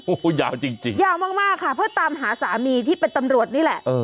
โอ้โหยาวจริงยาวมากค่ะเพื่อตามหาสามีที่เป็นตำรวจนี่แหละ